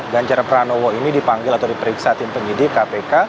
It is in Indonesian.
ganjar pranowo ini dipanggil atau diperiksa tim penyidik kpk